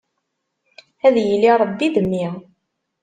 Ad yili Ṛebbi d mmi.